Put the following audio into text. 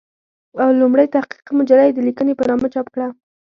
او لومړۍ تحقيقي مجله يې د "ليکنې" په نامه چاپ کړه